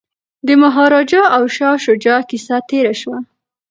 د مهاراجا او شاه شجاع کیسه تیره شوه.